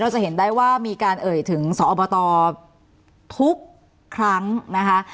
จะเห็นได้ว่ามีการเอ่ยถึงสอบตทุกครั้งนะคะ